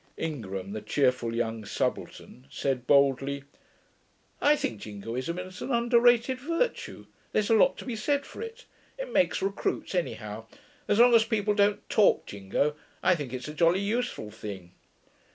Ingram, the cheerful young subaltern, said boldly, 'I think jingoism is an under rated virtue. There's a lot to be said for it. It makes recruits, anyhow. As long as people don't talk jingo, I think it's a jolly useful thing.'